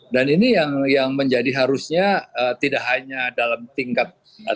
dan ini yang menjadi harusnya tidak hanya dalam tingkat tinggi